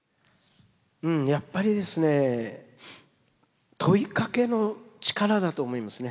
やっぱりですね問いかけの力だと思いますね。